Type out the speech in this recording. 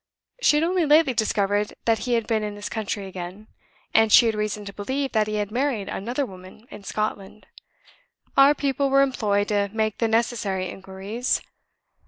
She had only lately discovered that he had been in this country again; and she had reason to believe that he had married another woman in Scotland. Our people were employed to make the necessary inquiries.